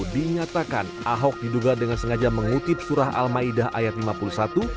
dinyatakan ahok diduga dengan sengaja mengutip surah al ⁇ maidah ayat lima puluh satu